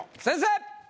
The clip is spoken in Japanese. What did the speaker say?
先生！